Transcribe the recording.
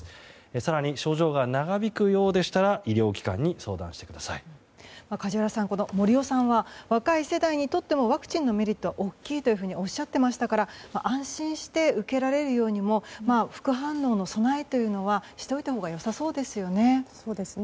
更に症状が長引くようでしたら医療機関に梶原さん、森尾さんは若い世代にとってもワクチンのメリットは大きいというふうにおっしゃっていましたから安心して受けられるようにも副反応の備えというのはしておいたほうが良さそうですよね。